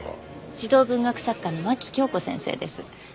児童文学作家の牧京子先生です。